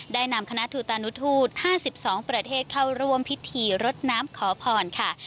นำคณะทูตานุทูต๕๒ประเทศเข้าร่วมพิธีรดน้ำขอพรค่ะ